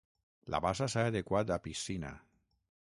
La bassa s'ha adequat a piscina.